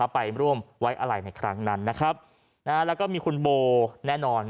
ไปร่วมไว้อะไรในครั้งนั้นนะครับแล้วก็มีคุณโบแน่นอน